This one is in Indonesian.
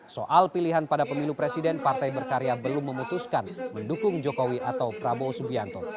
soal pilihan pada pemilu presiden partai berkarya belum memutuskan mendukung jokowi atau prabowo subianto